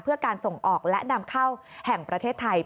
เพื่อการส่งออกและนำเข้าแห่งประเทศไทย